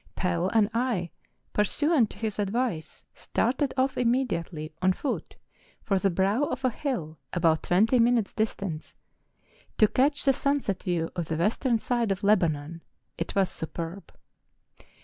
Pell and I, pursuant to his advice, started off immediately on foot for the brow of a hill about twenty minutes distant, to catch the sunset view of the western side of Lebanon ; it was superb